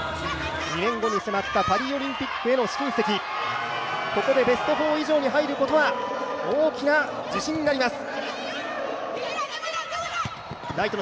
２年後に迫ったパリオリンピックへの試金石、ここでベスト４以上に入ることは大きな自信になります。